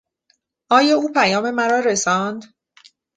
آیا او پیام مرا رساند؟